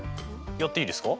やっていいですか？